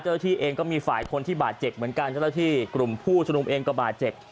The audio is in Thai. ที่เองก็มีฝ่ายคนที่บาดเจ็บเหมือนกันเจ้าหน้าที่กลุ่มผู้ชุมนุมเองก็บาดเจ็บ